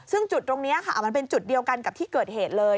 ซึ่งจุดตรงนี้ค่ะมันเป็นจุดเดียวกันกับที่เกิดเหตุเลย